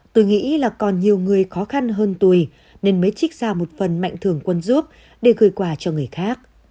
tôi nghĩ là còn nhiều người khó khăn hơn tuổi nên mới trích ra một phần mạnh thường quân giúp để gửi quà cho người khác